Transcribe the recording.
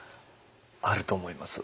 あると思います。